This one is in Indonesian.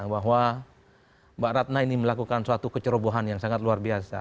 bahwa mbak ratna ini melakukan suatu kecerobohan yang sangat luar biasa